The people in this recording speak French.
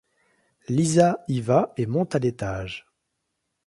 Lisa y va et monte à l'étage.